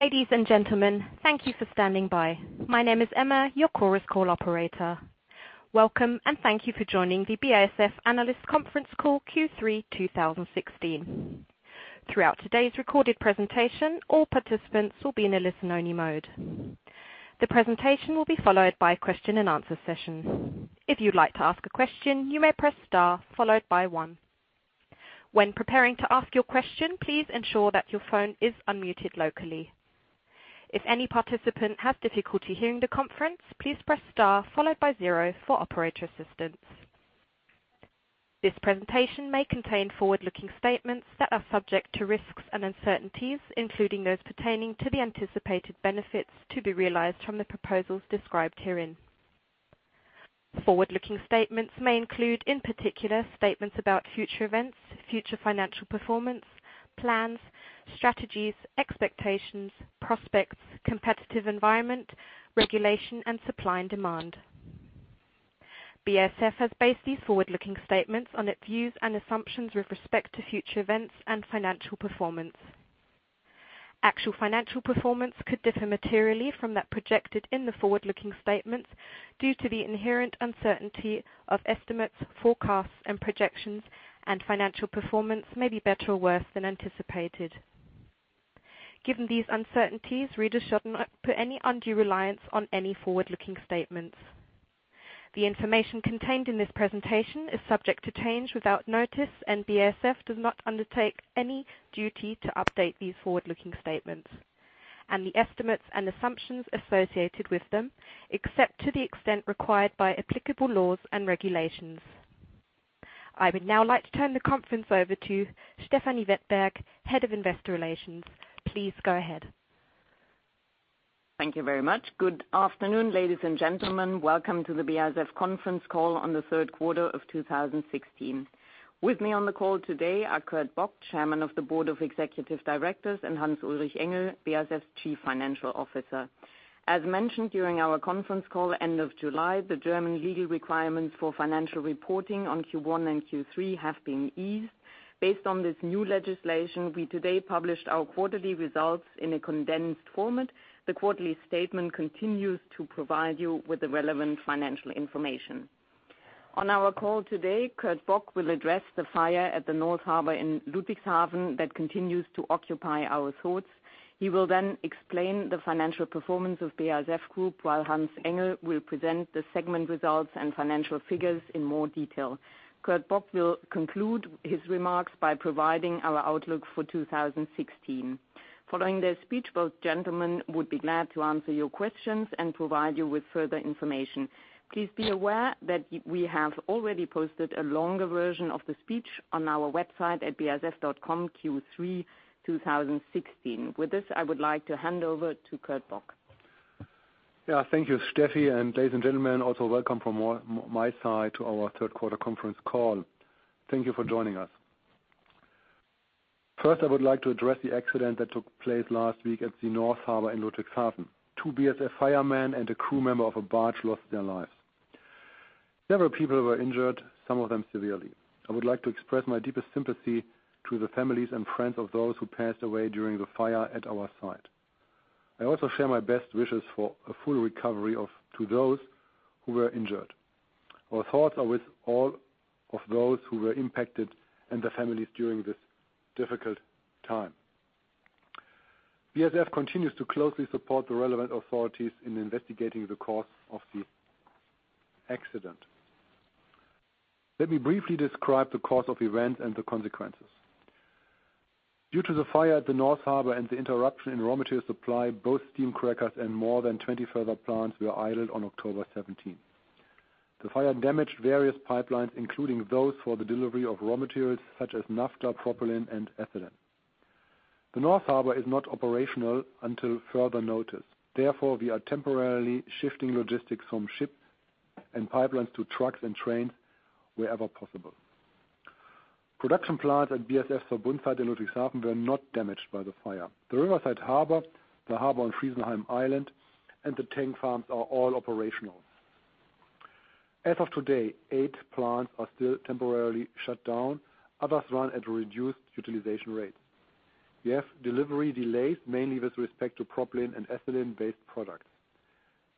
Ladies and gentlemen, thank you for standing by. My name is Emma, your Chorus Call operator. Welcome, and thank you for joining the BASF Analyst Conference Call Q3 2016. Throughout today's recorded presentation, all participants will be in a listen-only mode. The presentation will be followed by a question-and-answer session. If you'd like to ask a question, you may press * followed by one. When preparing to ask your question, please ensure that your phone is unmuted locally. If any participant has difficulty hearing the conference, please press star followed by zero for operator assistance. This presentation may contain forward-looking statements that are subject to risks and uncertainties, including those pertaining to the anticipated benefits to be realized from the proposals described herein. Forward-looking statements may include, in particular, statements about future events, future financial performance, plans, strategies, expectations, prospects, competitive environment, regulation, and supply and demand. BASF has based these forward-looking statements on its views and assumptions with respect to future events and financial performance. Actual financial performance could differ materially from that projected in the forward-looking statements due to the inherent uncertainty of estimates, forecasts, and projections, and financial performance may be better or worse than anticipated. Given these uncertainties, readers should not put any undue reliance on any forward-looking statements. The information contained in this presentation is subject to change without notice, and BASF does not undertake any duty to update these forward-looking statements and the estimates and assumptions associated with them, except to the extent required by applicable laws and regulations. I would now like to turn the conference over to Stefanie Wettberg, Head of Investor Relations. Please go ahead. Thank you very much. Good afternoon, ladies and gentlemen. Welcome to the BASF conference call on the Q3 of 2016. With me on the call today are Kurt Bock, Chairman of the Board of Executive Directors, and Hans-Ulrich Engel, BASF Chief Financial Officer. As mentioned during our conference call end of July, the German legal requirements for financial reporting on Q1 and Q3 have been eased. Based on this new legislation, we today published our quarterly results in a condensed format. The quarterly statement continues to provide you with the relevant financial information. On our call today, Kurt Bock will address the fire at the North Harbor in Ludwigshafen that continues to occupy our thoughts. He will then explain the financial performance of BASF Group while Hans Engel will present the segment results and financial figures in more detail. Kurt Bock will conclude his remarks by providing our outlook for 2016. Following their speech, both gentlemen would be glad to answer your questions and provide you with further information. Please be aware that we have already posted a longer version of the speech on our website at basf.com Q3 2016. With this, I would like to hand over to Kurt Bock. Yeah. Thank you, Steffi. Ladies and gentlemen, also welcome from my side to our Q3 conference call. Thank you for joining us. First, I would like to address the accident that took place last week at the North Harbor in Ludwigshafen. Two BASF firemen and a crew member of a barge lost their lives. Several people were injured, some of them severely. I would like to express my deepest sympathy to the families and friends of those who passed away during the fire at our site. I also share my best wishes for a full recovery to those who were injured. Our thoughts are with all of those who were impacted and their families during this difficult time. BASF continues to closely support the relevant authorities in investigating the cause of the accident. Let me briefly describe the course of events and the consequences. Due to the fire at the North Harbor and the interruption in raw material supply, both steam crackers and more than 20 further plants were idled on October 17. The fire damaged various pipelines, including those for the delivery of raw materials such as naphtha, propylene, and ethylene. The North Harbor is not operational until further notice. Therefore, we are temporarily shifting logistics from ships and pipelines to trucks and trains wherever possible. Production plants at BASF Verbund site in Ludwigshafen were not damaged by the fire. The riverside harbor, the harbor on Friesenheim Island, and the tank farms are all operational. As of today, 8 plants are still temporarily shut down. Others run at reduced utilization rates. We have delivery delays, mainly with respect to propylene and ethylene-based products.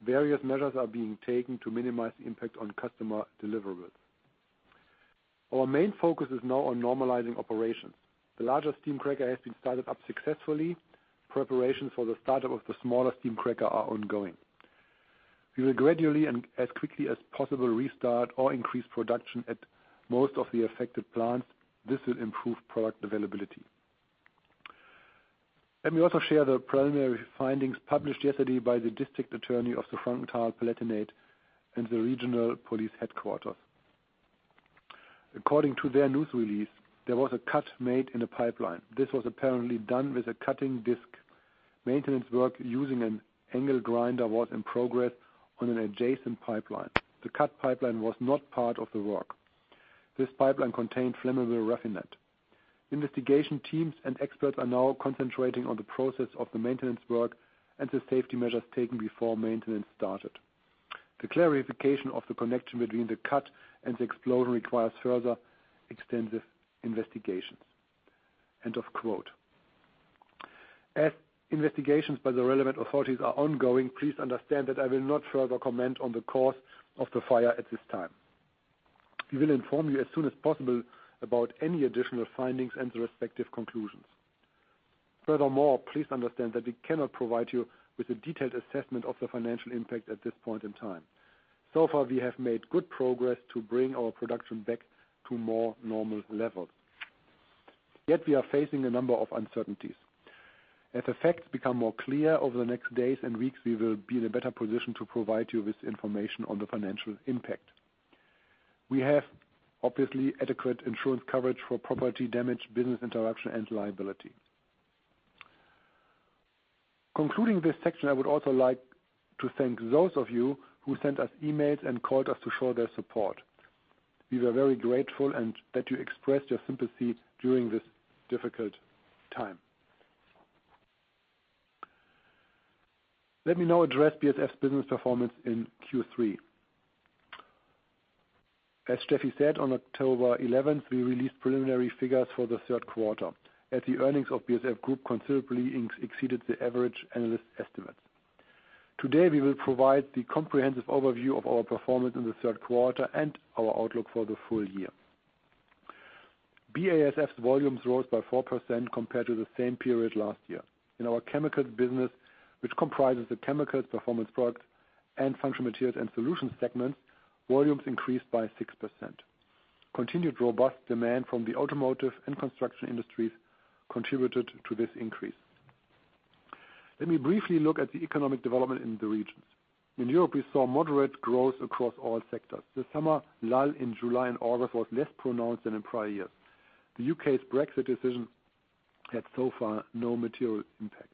Various measures are being taken to minimize the impact on customer deliverables. Our main focus is now on normalizing operations. The larger steam cracker has been started up successfully. Preparation for the startup of the smaller steam cracker are ongoing. We will gradually and as quickly as possible restart or increase production at most of the affected plants. This will improve product availability. Let me also share the preliminary findings published yesterday by the District Attorney of Frankenthal, Rhineland-Palatinate and the regional police headquarters. According to their news release, there was a cut made in a pipeline. This was apparently done with a cutting disk. Maintenance work using an angle grinder was in progress on an adjacent pipeline. The cut pipeline was not part of the work. This pipeline contained flammable raffinate. Investigation teams and experts are now concentrating on the process of the maintenance work and the safety measures taken before maintenance started. The clarification of the connection between the cut and the explosion requires further extensive investigations. End of quote. As investigations by the relevant authorities are ongoing, please understand that I will not further comment on the cause of the fire at this time. We will inform you as soon as possible about any additional findings and the respective conclusions. Furthermore, please understand that we cannot provide you with a detailed assessment of the financial impact at this point in time. So far, we have made good progress to bring our production back to more normal levels. Yet we are facing a number of uncertainties. As the facts become more clear over the next days and weeks, we will be in a better position to provide you with information on the financial impact. We have obviously adequate insurance coverage for property damage, business interruption, and liability. Concluding this section, I would also like to thank those of you who sent us emails and called us to show their support. We were very grateful and that you expressed your sympathy during this difficult time. Let me now address BASF business performance in Q3. As Steffi said, on October 11, we released preliminary figures for the Q3, as the earnings of BASF Group considerably exceeded the average analyst estimates. Today, we will provide the comprehensive overview of our performance in the Q3 and our outlook for the full year. BASF's volumes rose by 4% compared to the same period last year. In our chemicals business, which comprises the chemicals, performance products, and functional materials and solutions segments, volumes increased by 6%. Continued robust demand from the automotive and construction industries contributed to this increase. Let me briefly look at the economic development in the regions. In Europe, we saw moderate growth across all sectors. The summer lull in July and August was less pronounced than in prior years. The U.K.'s Brexit decision had so far no material impact.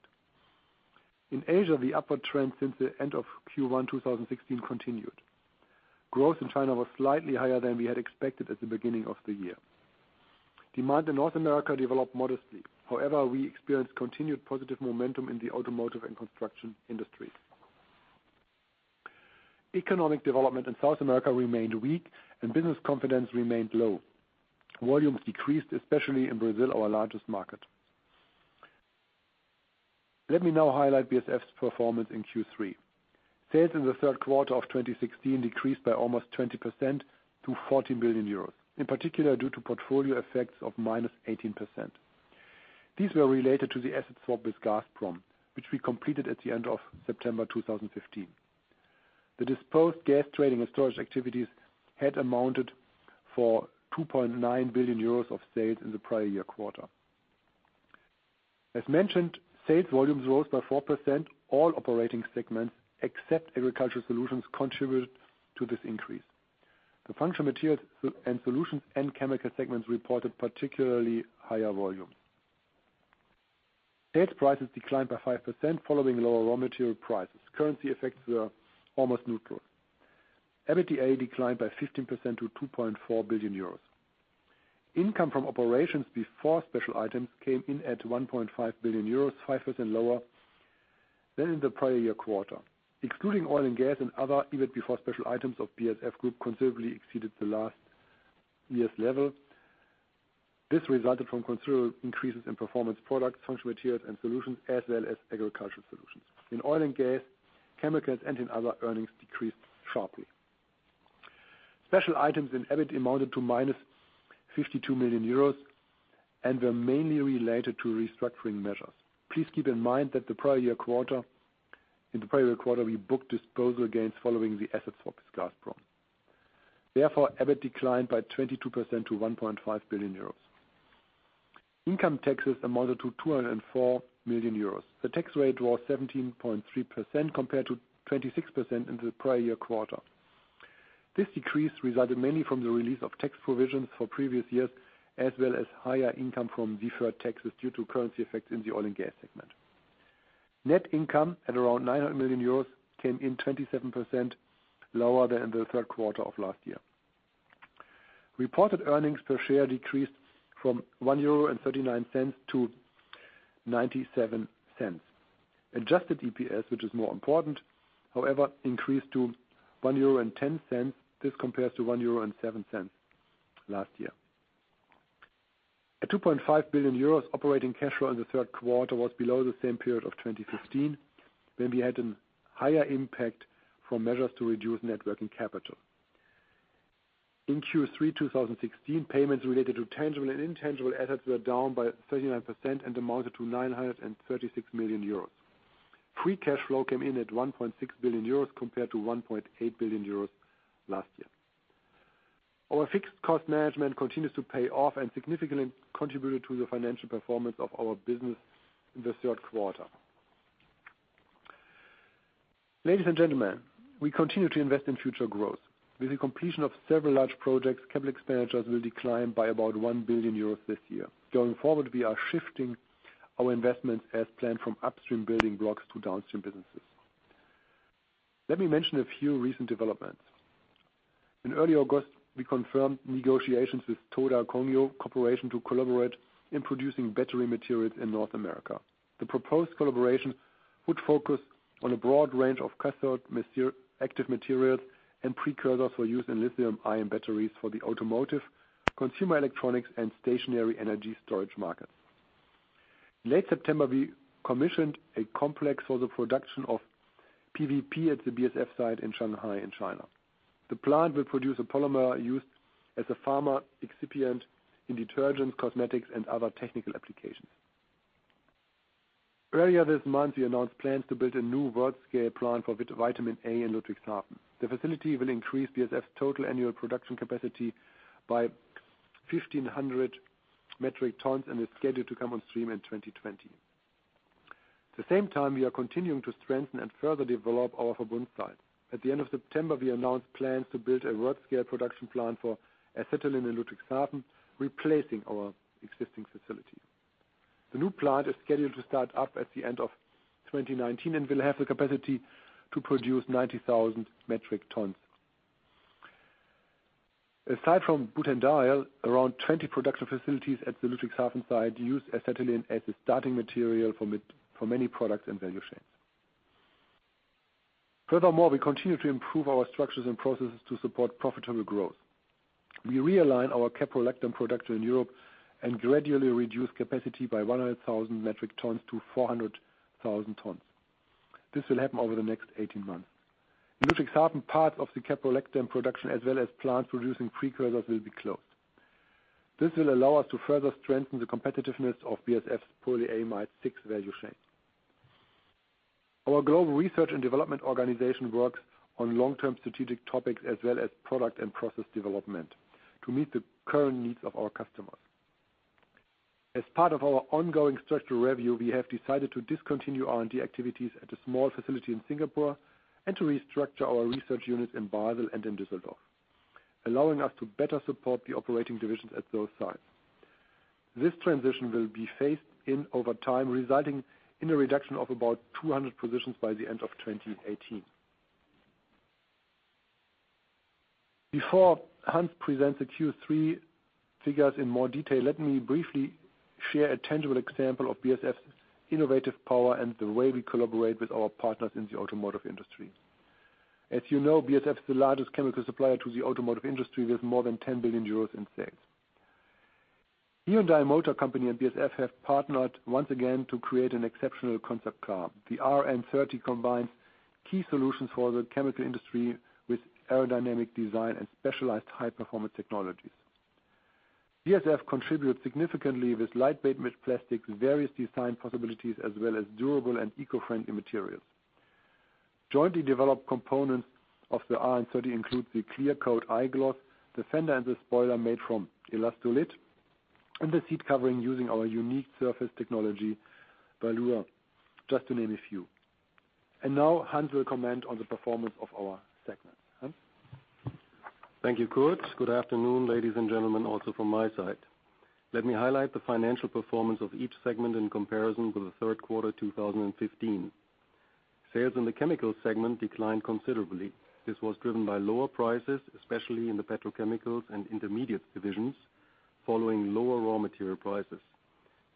In Asia, the upward trend since the end of Q1 2016 continued. Growth in China was slightly higher than we had expected at the beginning of the year. Demand in North America developed modestly. However, we experienced continued positive momentum in the automotive and construction industries. Economic development in South America remained weak and business confidence remained low. Volumes decreased, especially in Brazil, our largest market. Let me now highlight BASF's performance in Q3. Sales in the Q3 of 2016 decreased by almost 20% to 40 billion euros, in particular due to portfolio effects of -18%. These were related to the asset swap with Gazprom, which we completed at the end of September, 2015. The disposed gas trading and storage activities had amounted to 2.9 billion euros of sales in the prior year quarter. As mentioned, sales volumes rose by 4%. All operating segments, except Agricultural Solutions, contributed to this increase. The functional materials and solutions and chemical segments reported particularly higher volumes. Sales prices declined by 5% following lower raw material prices. Currency effects were almost neutral. EBITDA declined by 15% to 2.4 billion euros. Income from operations before special items came in at 1.5 billion euros, 5% lower than in the prior year quarter. Excluding Oil & Gas and other, EBIT before special items of BASF Group considerably exceeded the last year's level. This resulted from considerable increases in performance products, functional materials and solutions, as well as agricultural solutions. In oil and gas, chemicals, and in other earnings decreased sharply. Special items in EBIT amounted to -52 million euros and were mainly related to restructuring measures. Please keep in mind that in the prior year quarter, we booked disposal gains following the assets swap with Gazprom. Therefore, EBIT declined by 22% to 1.5 billion euros. Income taxes amounted to 204 million euros. The tax rate was 17.3% compared to 26% in the prior year quarter. This decrease resulted mainly from the release of tax provisions for previous years, as well as higher income from deferred taxes due to currency effects in the oil and gas segment. Net income at around 900 million euros came in 27% lower than the Q3 of last year. Reported earnings per share decreased from 1.39-0.97 euro. Adjusted EPS, which is more important, however, increased to 1.10 euro. This compares to 1.07 euro last year. At 2.5 billion euros, operating cash flow in the Q3 was below the same period of 2015, when we had a higher impact from measures to reduce net working capital. In Q3 2016, payments related to tangible and intangible assets were down by 39% and amounted to 936 million euros. Free cash flow came in at 1.6 billion euros compared to 1.8 billion euros last year. Our fixed cost management continues to pay off and significantly contributed to the financial performance of our business in the Q3. Ladies and gentlemen, we continue to invest in future growth. With the completion of several large projects, capital expenditures will decline by about 1 billion euros this year. Going forward, we are shifting our investments as planned from upstream building blocks to downstream businesses. Let me mention a few recent developments. In early August, we confirmed negotiations with Toda Kogyo Corporation to collaborate in producing battery materials in North America. The proposed collaboration would focus on a broad range of cathode active materials and precursors for use in lithium-ion batteries for the automotive, consumer electronics, and stationary energy storage markets. In late September, we commissioned a complex for the production of PVP at the BASF site in Shanghai in China. The plant will produce a polymer used as a pharma excipient in detergents, cosmetics, and other technical applications. Earlier this month, we announced plans to build a new world-scale plant for vitamin A in Ludwigshafen. The facility will increase BASF's total annual production capacity by 1,500 metric tons, and is scheduled to come on stream in 2020. At the same time, we are continuing to strengthen and further develop our Verbund site. At the end of September, we announced plans to build a world-scale production plant for acetylene in Ludwigshafen, replacing our existing facility. The new plant is scheduled to start up at the end of 2019, and will have the capacity to produce 90,000 metric tons. Aside from butadiene, around 20 productive facilities at the Ludwigshafen site use acetylene as a starting material for many products and value chains. Furthermore, we continue to improve our structures and processes to support profitable growth. We realign our caprolactam production in Europe and gradually reduce capacity by 100,000 metric tons to 400,000 tons. This will happen over the next 18 months. In Ludwigshafen, part of the caprolactam production, as well as plants producing precursors, will be closed. This will allow us to further strengthen the competitiveness of BASF's Polyamide 6 value chain. Our global research and development organization works on long-term strategic topics as well as product and process development to meet the current needs of our customers. As part of our ongoing structural review, we have decided to discontinue R&D activities at a small facility in Singapore, and to restructure our research units in Basel and in Düsseldorf, allowing us to better support the operating divisions at those sites. This transition will be phased in over time, resulting in a reduction of about 200 positions by the end of 2018. Before Hans presents the Q3 figures in more detail, let me briefly share a tangible example of BASF's innovative power and the way we collaborate with our partners in the automotive industry. As you know, BASF is the largest chemical supplier to the automotive industry, with more than 10 billion euros in sales. Hyundai Motor Company and BASF have partnered once again to create an exceptional concept car. The RN30 combines key solutions for the chemical industry with aerodynamic design and specialized high-performance technologies. BASF contributes significantly with lightweight metal plastics, various design possibilities, as well as durable and eco-friendly materials. Jointly developed components of the RN30 include the clear coat iGloss, the fender and the spoiler made from Elastollan, and the seat covering using our unique surface technology, Velour, just to name a few. Now, Hans will comment on the performance of our segment. Hans? Thank you, Kurt. Good afternoon, ladies and gentlemen also from my side. Let me highlight the financial performance of each segment in comparison with the Q3 2015. Sales in the Chemicals segment declined considerably. This was driven by lower prices, especially in the Petrochemicals and Intermediates divisions, following lower raw material prices.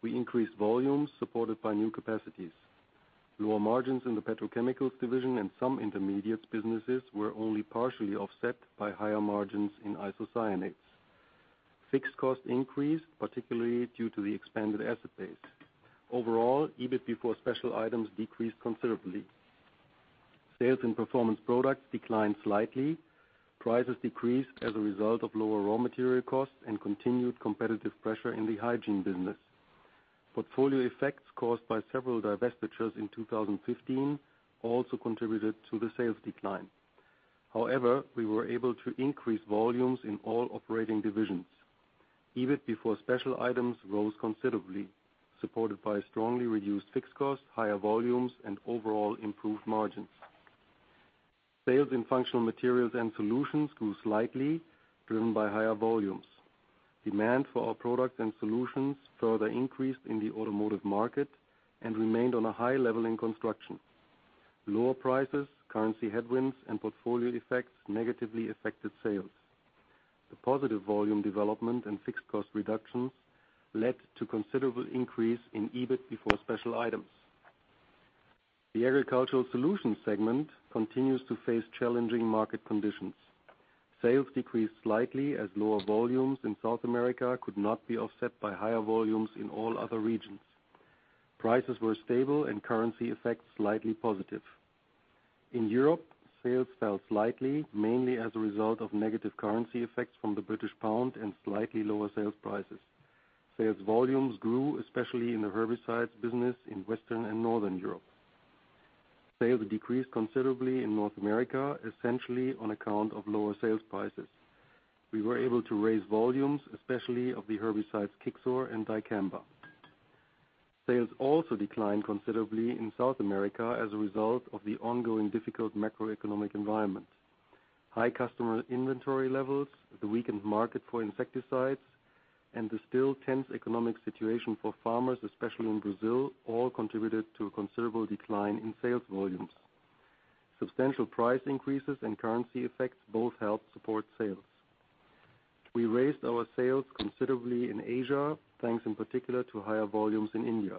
We increased volumes supported by new capacities. Lower margins in the Petrochemicals division and some Intermediates businesses were only partially offset by higher margins in isocyanates. Fixed costs increased, particularly due to the expanded asset base. Overall, EBIT before special items decreased considerably. Sales in Performance Products declined slightly. Prices decreased as a result of lower raw material costs and continued competitive pressure in the hygiene business. Portfolio effects caused by several divestitures in 2015 also contributed to the sales decline. However, we were able to increase volumes in all operating divisions. EBIT before special items rose considerably, supported by strongly reduced fixed costs, higher volumes, and overall improved margins. Sales in Functional Materials and Solutions grew slightly, driven by higher volumes. Demand for our products and solutions further increased in the automotive market and remained on a high level in construction. Lower prices, currency headwinds, and portfolio effects negatively affected sales. The positive volume development and fixed cost reductions led to considerable increase in EBIT before special items. The Agricultural Solutions segment continues to face challenging market conditions. Sales decreased slightly, as lower volumes in South America could not be offset by higher volumes in all other regions. Prices were stable and currency effects slightly positive. In Europe, sales fell slightly, mainly as a result of negative currency effects from the British pound and slightly lower sales prices. Sales volumes grew, especially in the herbicides business in Western and Northern Europe. Sales decreased considerably in North America, essentially on account of lower sales prices. We were able to raise volumes, especially of the herbicides Kixor and dicamba. Sales also declined considerably in South America as a result of the ongoing difficult macroeconomic environment. High customer inventory levels, the weakened market for insecticides, and the still tense economic situation for farmers, especially in Brazil, all contributed to a considerable decline in sales volumes. Substantial price increases and currency effects both helped support sales. We raised our sales considerably in Asia, thanks in particular to higher volumes in India.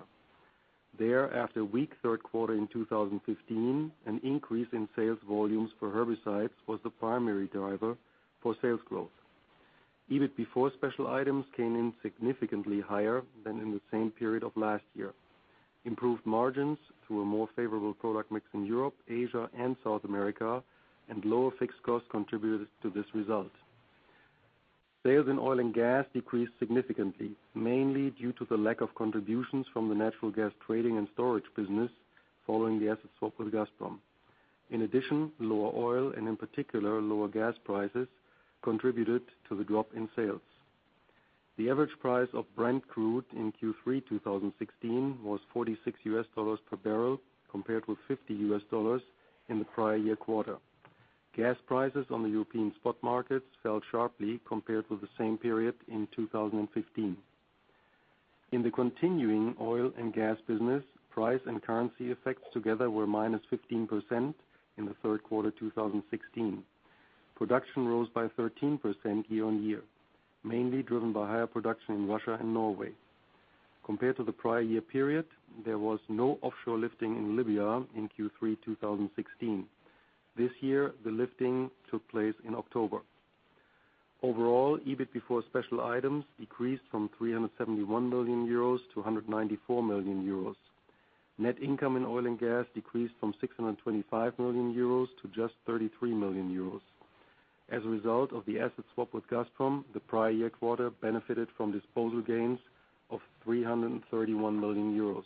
There, after a weak Q3 in 2015, an increase in sales volumes for herbicides was the primary driver for sales growth. EBIT before special items came in significantly higher than in the same period of last year. Improved margins through a more favorable product mix in Europe, Asia and South America, and lower fixed costs contributed to this result. Sales in oil and gas decreased significantly, mainly due to the lack of contributions from the natural gas trading and storage business following the asset swap with Gazprom. In addition, lower oil and in particular lower gas prices contributed to the drop in sales. The average price of Brent Crude in Q3 2016 was $46 per barrel, compared with $50 in the prior year quarter. Gas prices on the European spot markets fell sharply compared with the same period in 2015. In the continuing oil and gas business, price and currency effects together were -15% in the Q3 2016. Production rose by 13% year-on-year, mainly driven by higher production in Russia and Norway. Compared to the prior-year period, there was no offshore lifting in Libya in Q3 2016. This year, the lifting took place in October. Overall, EBIT before special items decreased from 371 million-194 million euros. Net income in oil and gas decreased from 625 million euros to just 33 million euros. As a result of the asset swap with Gazprom, the prior-year quarter benefited from disposal gains of 331 million euros.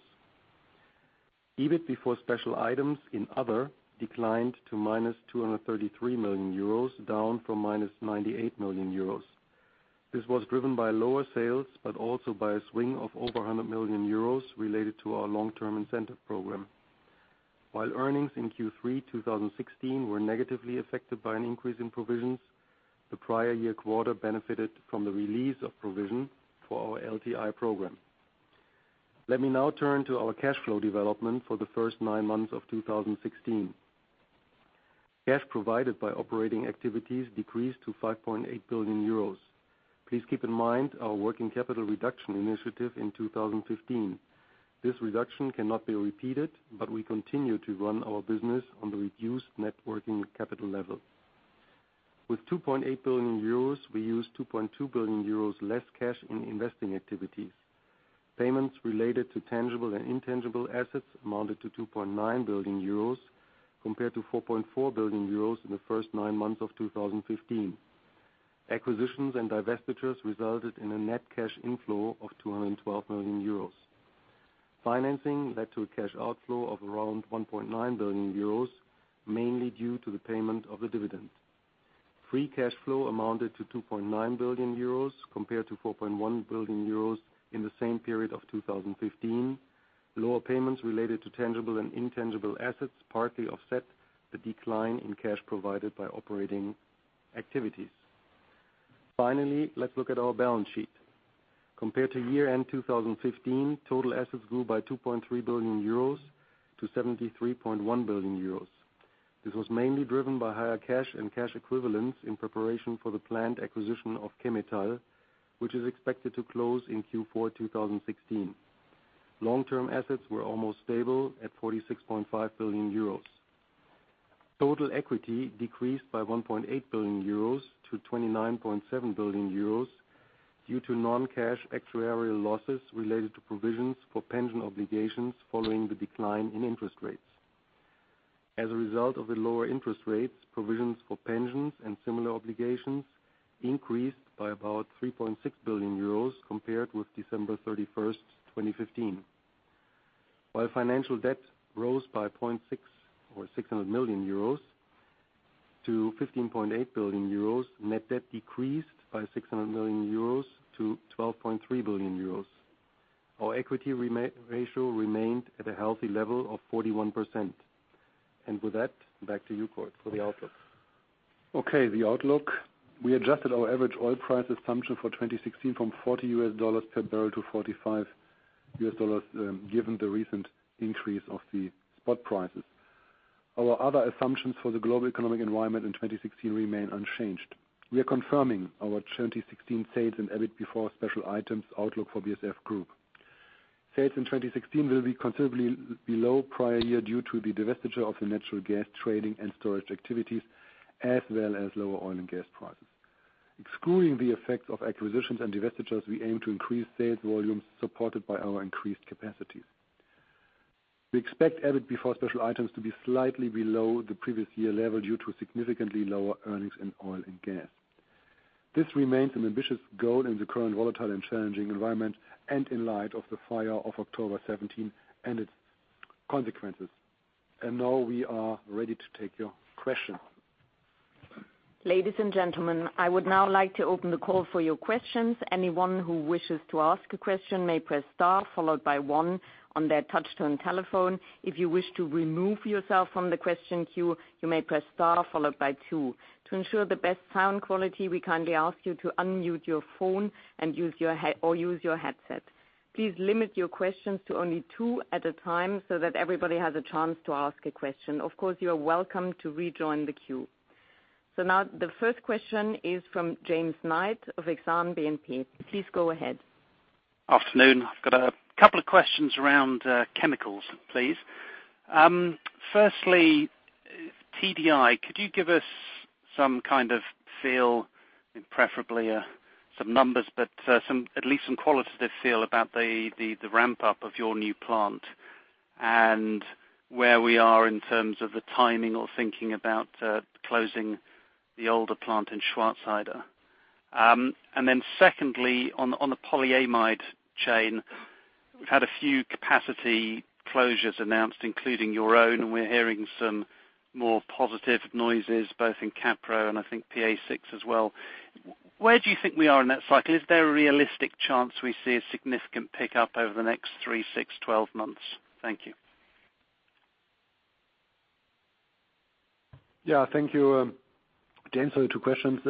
EBIT before special items in Other declined to -233 million euros, down from -98 million euros. This was driven by lower sales, but also by a swing of over 100 million euros related to our long-term incentive program. While earnings in Q3 2016 were negatively affected by an increase in provisions, the prior year quarter benefited from the release of provision for our LTI program. Let me now turn to our cash flow development for the first nine months of 2016. Cash provided by operating activities decreased to 5.8 billion euros. Please keep in mind our working capital reduction initiative in 2015. This reduction cannot be repeated, but we continue to run our business on the reduced net working capital level. With 2.8 billion euros, we used 2.2 billion euros less cash in investing activities. Payments related to tangible and intangible assets amounted to 2.9 billion euros compared to 4.4 billion euros in the first nine months of 2015. Acquisitions and divestitures resulted in a net cash inflow of 212 million euros. Financing led to a cash outflow of around 1.9 billion euros, mainly due to the payment of the dividend. Free cash flow amounted to 2.9 billion euros compared to 4.1 billion euros in the same period of 2015. Lower payments related to tangible and intangible assets partly offset the decline in cash provided by operating activities. Finally, let's look at our balance sheet. Compared to year-end 2015, total assets grew by 2.3 billion-73.1 billion euros. This was mainly driven by higher cash and cash equivalents in preparation for the planned acquisition of Chemetall, which is expected to close in Q4 2016. Long-term assets were almost stable at 46.5 billion euros. Total equity decreased by 1.8 billion-29.7 billion euros due to non-cash actuarial losses related to provisions for pension obligations following the decline in interest rates. As a result of the lower interest rates, provisions for pensions and similar obligations increased by about 3.6 billion euros compared with December 31, 2015. While financial debt rose by 0.6 or 600 million euros to 15.8 billion euros, net debt decreased by 600 million euros to 12.3 billion euros. Our equity ratio remained at a healthy level of 41%. With that, back to you, Kurt, for the outlook. Okay, the outlook. We adjusted our average oil price assumption for 2016 from $40 per barrel to $45, given the recent increase of the spot prices. Our other assumptions for the global economic environment in 2016 remain unchanged. We are confirming our 2016 sales and EBIT before special items outlook for BASF Group. Sales in 2016 will be considerably below prior year due to the divestiture of the natural gas trading and storage activities, as well as lower oil and gas prices. Excluding the effects of acquisitions and divestitures, we aim to increase sales volumes supported by our increased capacities. We expect EBIT before special items to be slightly below the previous year level due to significantly lower earnings in oil and gas. This remains an ambitious goal in the current volatile and challenging environment and in light of the fire of October 17, and its consequences. Now we are ready to take your questions. Ladies and gentlemen, I would now like to open the call for your questions. Anyone who wishes to ask a question may press star followed by one on their touchtone telephone. If you wish to remove yourself from the question queue, you may press star followed by two. To ensure the best sound quality, we kindly ask you to unmute your phone and use your headset. Please limit your questions to only two at a time so that everybody has a chance to ask a question. Of course, you are welcome to rejoin the queue. Now the first question is from James Knight of Exane BNP Paribas. Please go ahead. Afternoon. I've got a couple of questions around chemicals, please. Firstly, TDI, could you give us some kind of feel and preferably some numbers, but at least some qualitative feel about the ramp-up of your new plant and where we are in terms of the timing or thinking about closing the older plant in Schwarzheide. And then secondly, on the polyamide chain, we've had a few capacity closures announced, including your own, and we're hearing some more positive noises both in caprolactam and I think PA-6 as well. Where do you think we are in that cycle? Is there a realistic chance we see a significant pickup over the next three, six, 12 months? Thank you. Yeah. Thank you. To answer the two questions,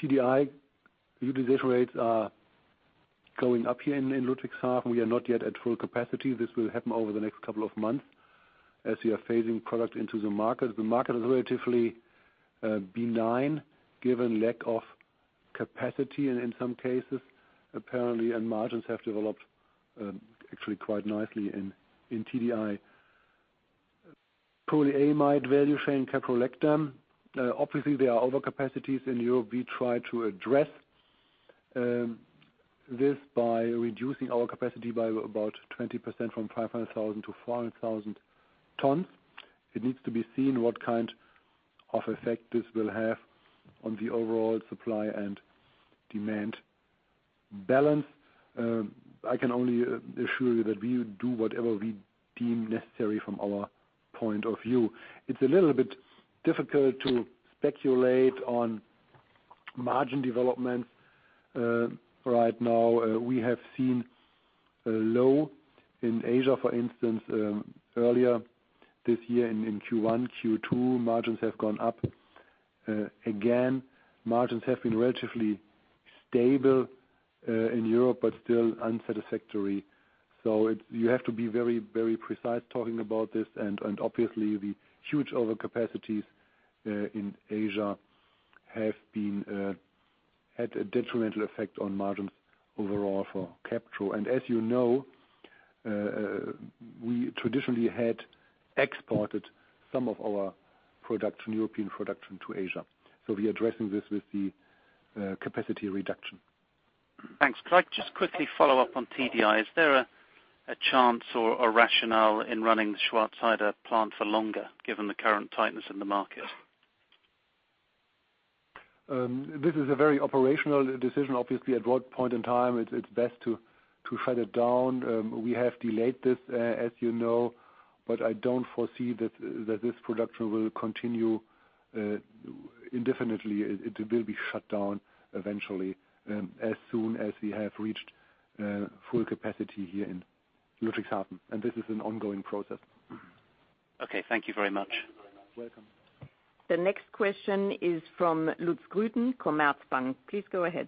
TDI utilization rates are going up here in Ludwigshafen. We are not yet at full capacity. This will happen over the next couple of months as we are phasing product into the market. The market is relatively benign given lack of capacity in some cases, apparently, and margins have developed actually quite nicely in TDI. Polyamide value chain caprolactam, obviously there are overcapacities in Europe. We try to address this by reducing our capacity by about 20% from 500,000-400,000 tons. It needs to be seen what kind of effect this will have on the overall supply and demand balance. I can only assure you that we will do whatever we deem necessary from our point of view. It's a little bit difficult to speculate on margin development, right now. We have seen a low in Asia, for instance, earlier this year in Q1. Q2 margins have gone up. Again, margins have been relatively stable in Europe, but still unsatisfactory. You have to be very, very precise talking about this and obviously the huge overcapacities in Asia have had a detrimental effect on margins overall for Capro. As you know, we traditionally had exported some of our product, European production to Asia. We're addressing this with the capacity reduction. Thanks. Could I just quickly follow up on TDI? Is there a chance or a rationale in running the Schwarzheide plant for longer given the current tightness in the market? This is a very operational decision, obviously, at what point in time it's best to shut it down. We have delayed this, as you know, but I don't foresee that this production will continue indefinitely. It will be shut down eventually, as soon as we have reached full capacity here in Ludwigshafen, and this is an ongoing process. Okay, thank you very much. You're welcome. The next question is from Lutz Grütjen, Commerzbank. Please go ahead.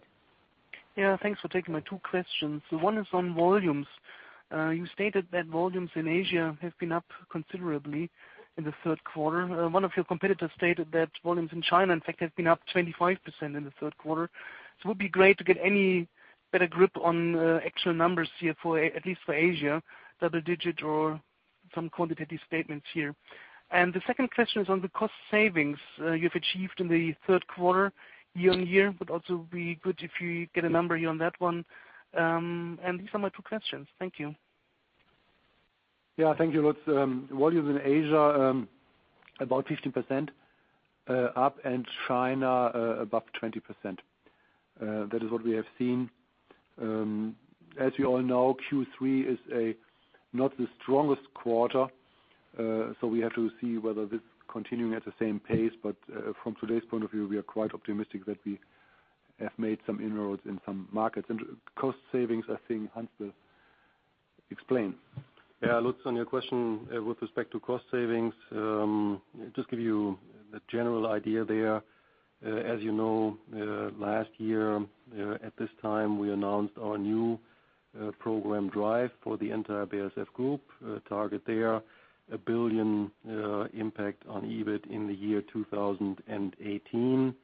Yeah. Thanks for taking my two questions. One is on volumes. You stated that volumes in Asia have been up considerably in the Q3. One of your competitors stated that volumes in China, in fact, have been up 25% in the Q3. It would be great to get any better grip on actual numbers here for, at least for Asia, double-digit or some quantitative statements here. The second question is on the cost savings you've achieved in the Q3 year-on-year. It would also be good if you get a number here on that one. These are my two questions. Thank you. Yeah. Thank you, Lutz. Volumes in Asia, about 15%, up, and China, above 20%. That is what we have seen. As you all know, Q3 is not the strongest quarter, so we have to see whether this continuing at the same pace. From today's point of view, we are quite optimistic that we have made some inroads in some markets. Cost savings, I think Hans will explain. Yeah, Lutz, on your question with respect to cost savings, just give you a general idea there. As you know, last year, at this time, we announced our new program Drive for the entire BASF Group. Target there, 1 billion impact on EBIT in the year 2018.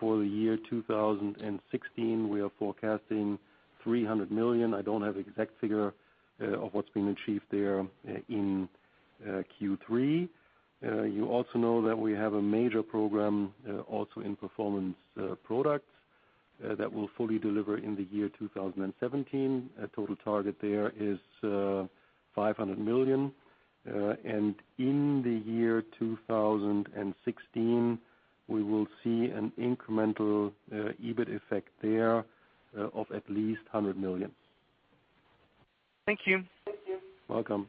For the year 2016, we are forecasting 300 million. I don't have exact figure of what's been achieved there in Q3. You also know that we have a major program also in Performance Products that will fully deliver in the year 2017. Our total target there is 500 million. And in the year 2016, we will see an incremental EBIT effect there of at least 100 million. Thank you. Welcome.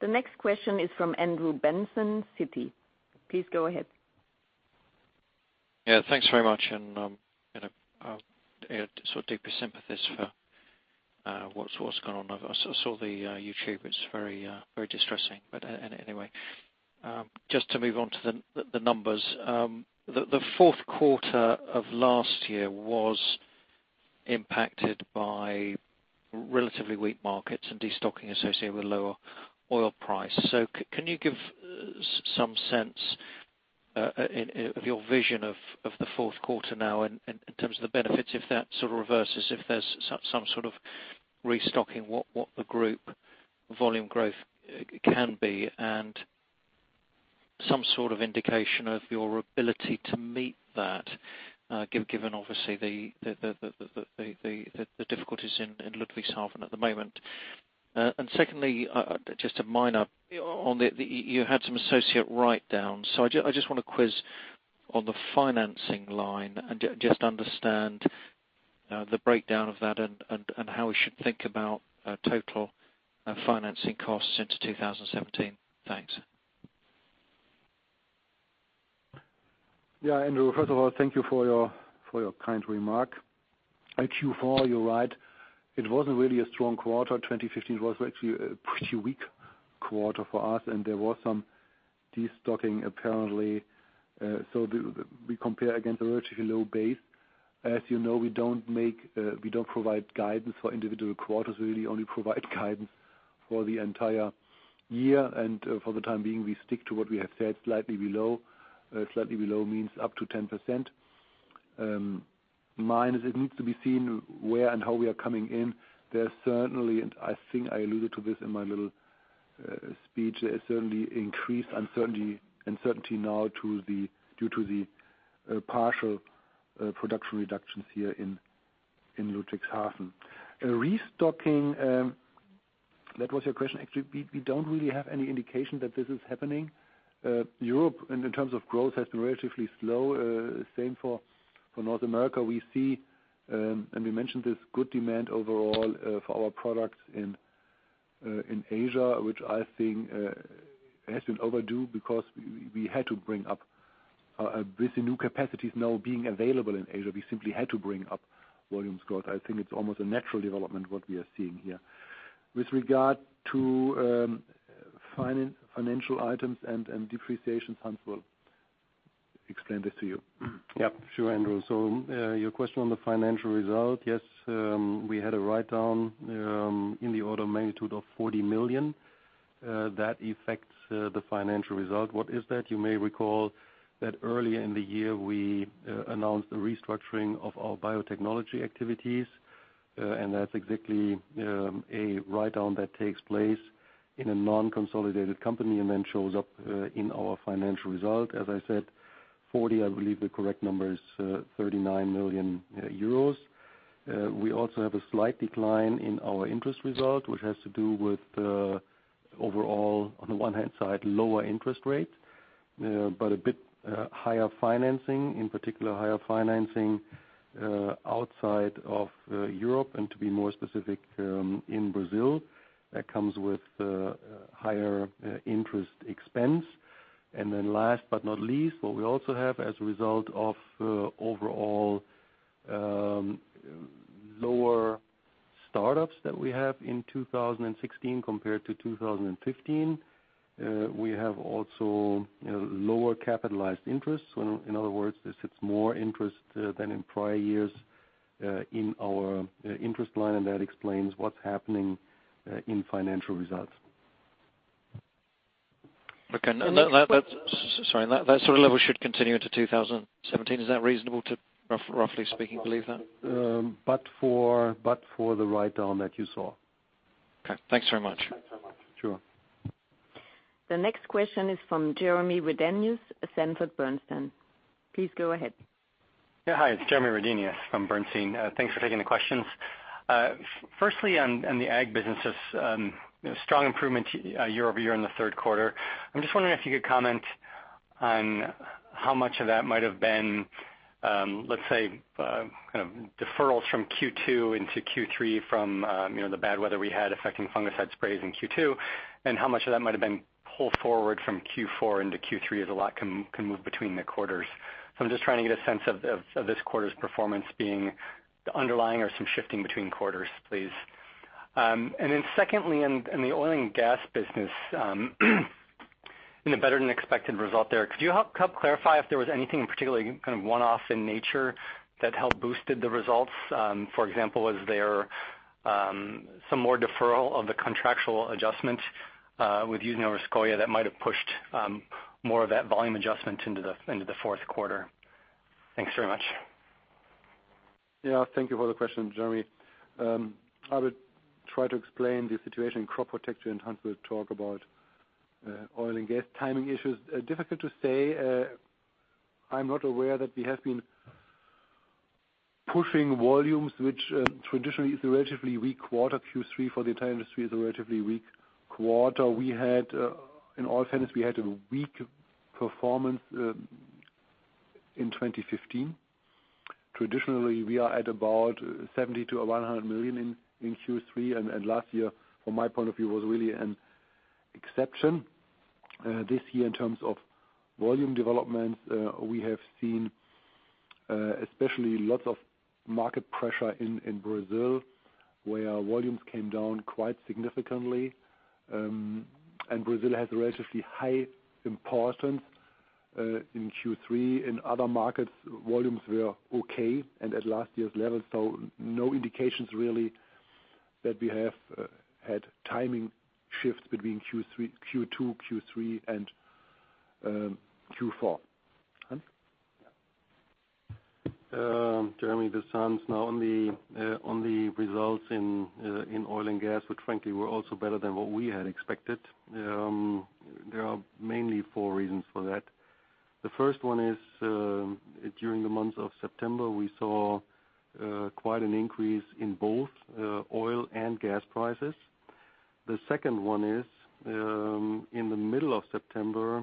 The next question is from Andrew Benson, Citi. Please go ahead. Yeah, thanks very much. You know, deepest sympathies for what's going on. I saw the YouTube. It's very distressing. Anyway, just to move on to the numbers. The Q4 of last year was impacted by relatively weak markets and destocking associated with lower oil price. Can you give some sense of your vision of the Q4 now in terms of the benefits, if that sort of reverses, if there's some sort of restocking, what the group volume growth can be? Some sort of indication of your ability to meet that, given obviously the difficulties in Ludwigshafen at the moment. Secondly, just a minor on the, you had some associate write-downs. I just wanna quiz on the financing line and just understand the breakdown of that and how we should think about total financing costs into 2017. Thanks. Yeah. Andrew, first of all, thank you for your kind remark. In Q4, you're right, it wasn't really a strong quarter. 2015 was actually a pretty weak quarter for us, and there was some destocking apparently. We compare against a relatively low base. As you know, we don't provide guidance for individual quarters. We really only provide guidance for the entire year. For the time being, we stick to what we have said, slightly below. Slightly below means up to 10%. Minus, it needs to be seen where and how we are coming in. There's certainly increased uncertainty now due to the partial production reductions here in Ludwigshafen. Restocking, that was your question. Actually, we don't really have any indication that this is happening. Europe, in terms of growth, has been relatively slow. Same for North America. We see, and we mentioned this, good demand overall for our products in Asia, which I think has been overdue because we had to bring up with the new capacities now being available in Asia, we simply had to bring up volumes growth. I think it's almost a natural development, what we are seeing here. With regard to financial items and depreciation, Hans will explain this to you. Yeah, sure, Andrew. Your question on the financial result. Yes, we had a write-down in the order of magnitude of 40 million. That affects the financial result. What is that? You may recall that earlier in the year, we announced the restructuring of our biotechnology activities, and that's exactly a write-down that takes place in a non-consolidated company and then shows up in our financial result. As I said, 40, I believe the correct number is 39 million euros. We also have a slight decline in our interest result, which has to do with the overall, on the one hand side, lower interest rate, but a bit higher financing, in particular, higher financing outside of Europe, and to be more specific, in Brazil. That comes with higher interest expense. Last but not least, what we also have as a result of overall lower startups that we have in 2016 compared to 2015, we have also, you know, lower capitalized interest. In other words, there sits more interest than in prior years in our interest line, and that explains what's happening in financial results. That sort of level should continue into 2017. Is that reasonable to, roughly speaking, believe that? For the write-down that you saw. Okay, thanks very much. Sure. The next question is from Jeremy Redenius, Sanford Bernstein. Please go ahead. Yeah, hi. It's Jeremy Redenius from Bernstein. Thanks for taking the questions. Firstly, on the ag businesses, you know, strong improvement year-over-year in the Q3. I'm just wondering if you could comment on how much of that might have been, let's say, kind of deferrals from Q2 into Q3 from, you know, the bad weather we had affecting fungicide sprays in Q2, and how much of that might have been pulled forward from Q4 into Q3, as a lot can move between the quarters. I'm just trying to get a sense of this quarter's performance being the underlying or some shifting between quarters, please. Secondly, in the oil and gas business, in the better than expected result there, could you help clarify if there was anything in particular kind of one-off in nature that helped boosted the results? For example, was there some more deferral of the contractual adjustment with Yuzhno or Achimgaz that might have pushed more of that volume adjustment into the Q4? Thanks very much. Yeah. Thank you for the question, Jeremy. I would try to explain the situation in crop protection, and Hans will talk about oil and gas timing issues. Difficult to say. I'm not aware that we have been pushing volumes, which traditionally is a relatively weak quarter. Q3 for the entire industry is a relatively weak quarter. We had, in all fairness, a weak performance in 2015. Traditionally, we are at about 70 million-100 million in Q3. Last year from my point of view was really an exception. This year in terms of volume development, we have seen especially lots of market pressure in Brazil, where volumes came down quite significantly. Brazil has relatively high importance in Q3. In other markets, volumes were okay and at last year's level, so no indications really that we have had timing shifts between Q2, Q3, and Q4. Hans? Jeremy, this is Hans. Now, on the results in oil and gas, which frankly were also better than what we had expected. There are mainly four reasons for that. The first one is, during the month of September, we saw quite an increase in both oil and gas prices. The second one is, in the middle of September,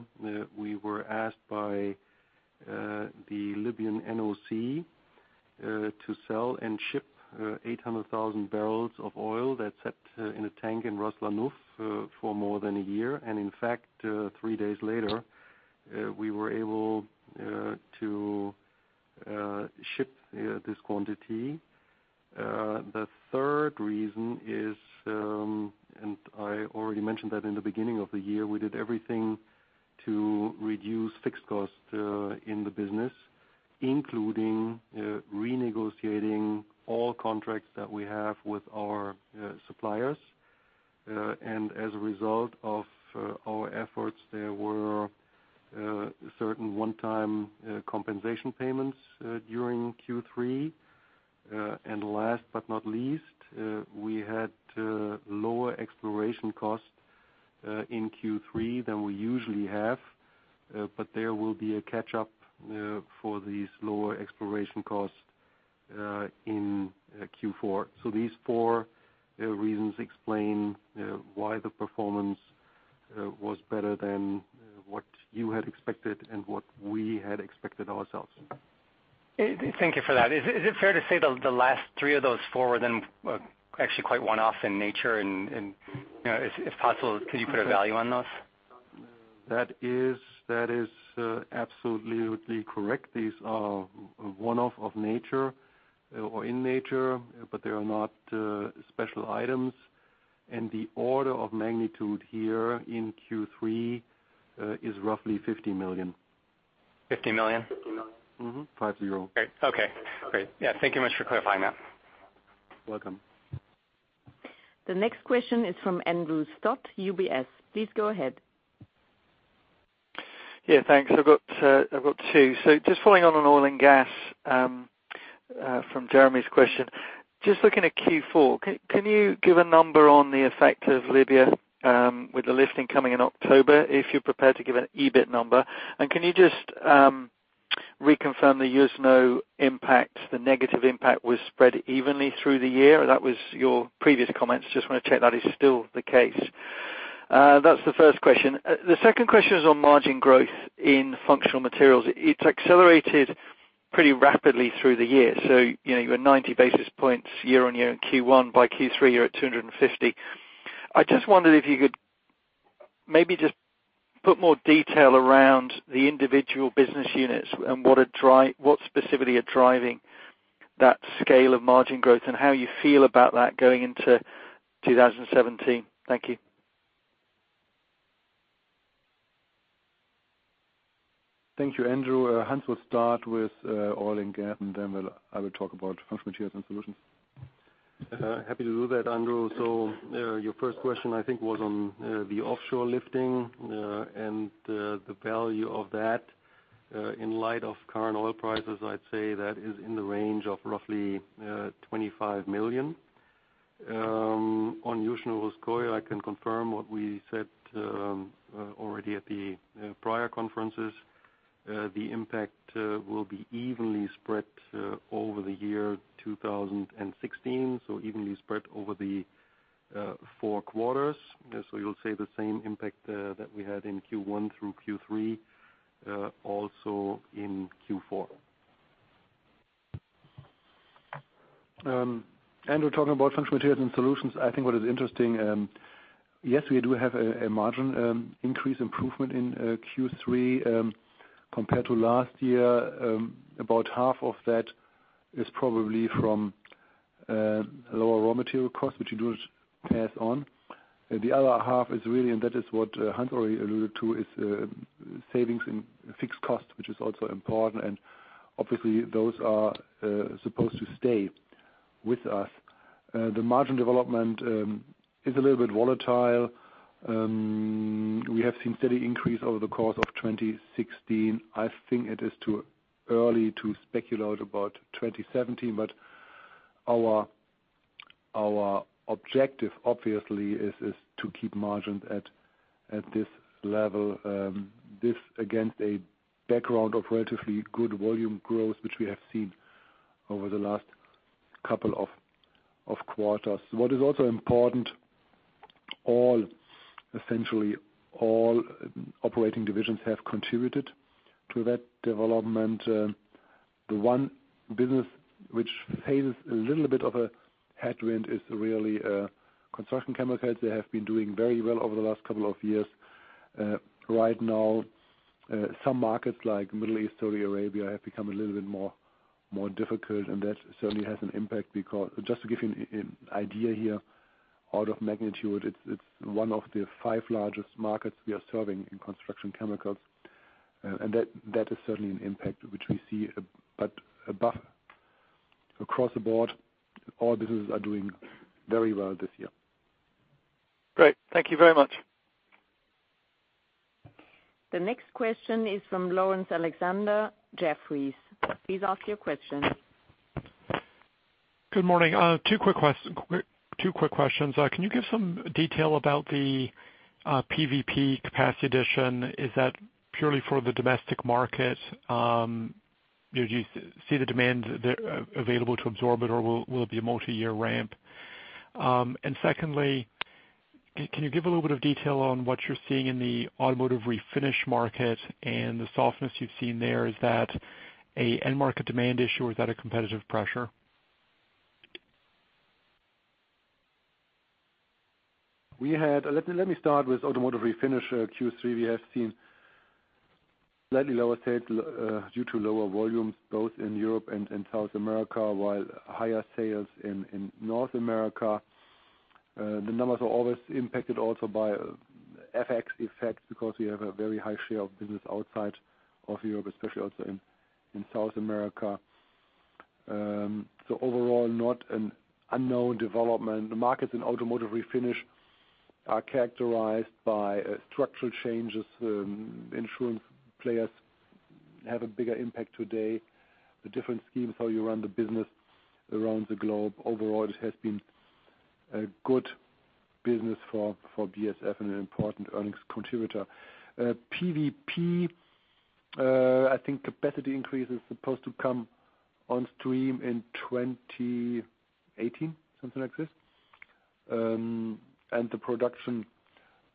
we were asked by the Libyan NOC to sell and ship 800,000 barrels of oil that sat in a tank in Ras Lanuf for more than a year. In fact, three days later, we were able to ship this quantity. The third reason is, I already mentioned that in the beginning of the year, we did everything to reduce fixed costs in the business, including renegotiating all contracts that we have with our suppliers. As a result of our efforts, there were certain one-time compensation payments during Q3. Last but not least, we had lower exploration costs in Q3 than we usually have. There will be a catch-up for these lower exploration costs in Q4. These four reasons explain why the performance was better than what you had expected and what we had expected ourselves. Thank you for that. Is it fair to say the last three of those four were then actually quite one-off in nature and, you know, if possible, could you put a value on those? That is absolutely correct. These are one-off in nature, but they are not special items. The order of magnitude here in Q3 is roughly 50 million. 50 million? Mm-hmm. 50. Okay. Great. Yeah. Thank you much for clarifying that. Welcome. The next question is from Andrew Stott, UBS. Please go ahead. Yeah, thanks. I've got two. Just following on oil and gas from Jeremy's question. Just looking at Q4, can you give a number on the effect of Libya with the lifting coming in October, if you're prepared to give an EBIT number? Can you just reconfirm the Yuzhno impact, the negative impact was spread evenly through the year? That was your previous comments. Just wanna check that is still the case. That's the first question. The second question is on margin growth in functional materials. It's accelerated pretty rapidly through the year. You know, you're at 90 basis points year-on-year in Q1, by Q3, you're at 250. I just wondered if you could maybe just put more detail around the individual business units and what specifically are driving that scale of margin growth and how you feel about that going into 2017. Thank you. Thank you, Andrew. Hans will start with oil and gas, and then I will talk about functional materials and solutions. Happy to do that, Andrew. Your first question, I think, was on the offshore lifting and the value of that. In light of current oil prices, I'd say that is in the range of roughly 25 million. On Yuzhno-Russkoye, I can confirm what we said already at the prior conferences. The impact will be evenly spread over the year 2016, so evenly spread over the four quarters. You'll see the same impact that we had in Q1 through Q3 also in Q4. Andrew, talking about functional materials and solutions, I think what is interesting, yes, we do have a margin increase improvement in Q3 compared to last year. About half of that is probably from lower raw material costs, which we do pass on. The other half is really, and that is what Hans already alluded to, is savings in fixed costs, which is also important. Obviously those are supposed to stay with us. The margin development is a little bit volatile. We have seen steady increase over the course of 2016. I think it is too early to speculate about 2017, but our objective obviously is to keep margins at this level. This against a background of relatively good volume growth, which we have seen over the last couple of quarters. What is also important, all operating divisions have contributed to that development. The one business which faces a little bit of a headwind is really Construction Chemicals. They have been doing very well over the last couple of years. Right now, some markets like Middle East, Saudi Arabia, have become a little bit more difficult, and that certainly has an impact because just to give you an idea here, out of magnitude, it's one of the five largest markets we are serving in Construction Chemicals, and that is certainly an impact which we see. Above, across the board, all businesses are doing very well this year. Great. Thank you very much. The next question is from Laurence Alexander, Jefferies. Please ask your question. Good morning. Two quick questions. Can you give some detail about the PVP capacity addition? Is that purely for the domestic market? Do you see the demand available to absorb it, or will it be a multi-year ramp? Secondly, can you give a little bit of detail on what you're seeing in the automotive refinish market and the softness you've seen there? Is that an end market demand issue or is that a competitive pressure? Let me start with automotive refinish. Q3, we have seen slightly lower sales due to lower volumes both in Europe and in South America, while higher sales in North America. The numbers are always impacted also by FX effects because we have a very high share of business outside of Europe, especially also in South America. Overall, not an unknown development. The markets in automotive refinish are characterized by structural changes. Insurance players have a bigger impact today, a different scheme for how you run the business around the globe. Overall, it has been a good business for BASF and an important earnings contributor. PVP, I think capacity increase is supposed to come on stream in 2018, something like this. The production,